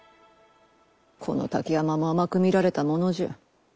この滝山も甘く見られたものじゃ。